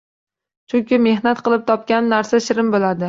Chunki mehnat qilib topilgan narsa shirin bo’ladi.